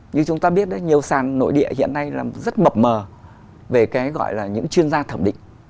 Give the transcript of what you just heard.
như chúng ta biết nhiều sàn nội địa hiện nay rất mập mờ về những chuyên gia thẩm định